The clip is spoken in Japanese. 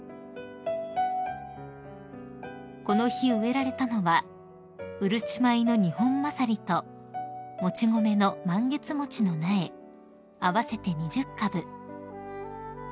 ［この日植えられたのはうるち米のニホンマサリともち米のマンゲツモチの苗合わせて２０株］